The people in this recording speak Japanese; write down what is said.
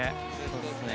そうっすね。